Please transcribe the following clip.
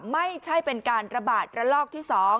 ไม่ใช่เป็นการระบาดระลอกที่๒